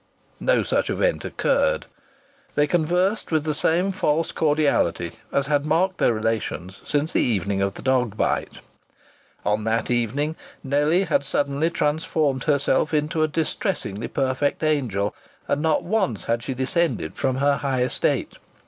No such event occurred. They conversed with the same false cordiality as had marked their relations since the evening of the dog bite. On that evening Nellie had suddenly transformed herself into a distressingly perfect angel, and not once had she descended from her high estate.